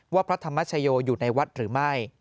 พระธรรมชโยอยู่ในวัดหรือไม่